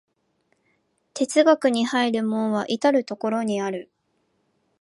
哲学に入る門は到る処にある。